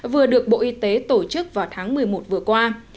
vừa được bộ y tế tổ chức vào tháng một mươi một vừa qua